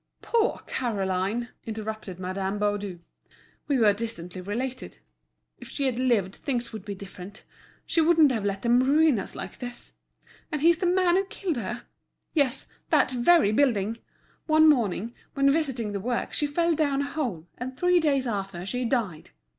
"Poor Caroline!" interrupted Madame Baudu. "We were distantly related. If she had lived things would be different. She wouldn't have let them ruin us like this. And he's the man who killed her. Yes, that very building! One morning, when visiting the works she fell down a hole, and three days after she died.